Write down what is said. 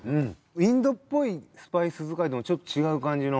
インドっぽいスパイス使いでもちょっと違う感じの。